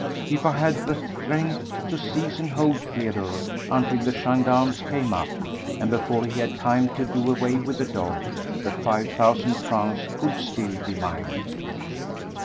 If I had the strength to seize and hold Theodore until the gendarmes came up, and before he had time to do away with the dog, the five thousand francs could still be mine.